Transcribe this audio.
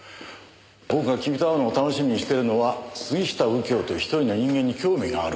僕が君と会うのを楽しみにしてるのは杉下右京というひとりの人間に興味があるからなんだ。